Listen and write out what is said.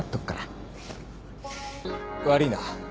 悪いな。